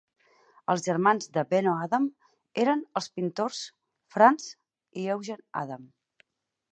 Els germans de Benno Adam eren els pintors Franz i Eugen Adam.